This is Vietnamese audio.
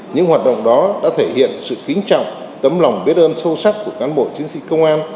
những hoạt động đó đã thể hiện sự kính trọng tấm lòng biết ơn sâu sắc của cán bộ chiến sĩ công an